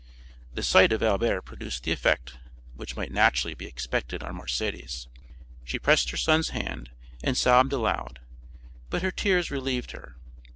The sight of Albert produced the effect which might naturally be expected on Mercédès; she pressed her son's hand and sobbed aloud, but her tears relieved her.